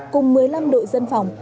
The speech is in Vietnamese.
cùng một mươi năm đội dân phòng